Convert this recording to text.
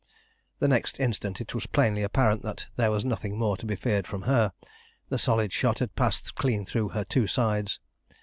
The next instant it was plainly apparent that there was nothing more to be feared from her. The solid shot had passed clean through her two sides.